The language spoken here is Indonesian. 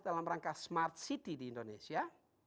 dalam rangka smart city di indonesia